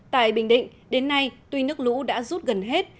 tại bình định đến nay tuy nước lũ đã rút gần hết